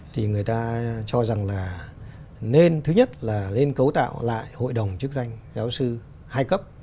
thì người ta cho rằng là nên thứ nhất là lên cấu tạo lại hội đồng chức danh giáo sư hai cấp